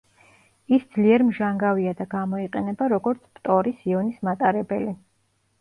ის ძლიერ მჟანგავია და გამოიყენება, როგორც ფტორის იონის მატარებელი.